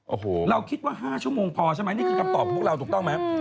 โอ้โหเราคิดว่า๕ชั่วโมงพอใช่ไหมนี่คือคำตอบพวกเราถูกต้องไหม